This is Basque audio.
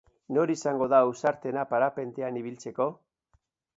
Nor izango da ausartena parapentean ibiltzeko?